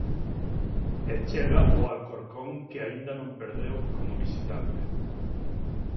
E chega o Alcorcón que aínda non perdeu como visitante.